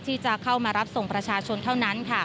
ที่จะเข้ามารับส่งประชาชนเท่านั้น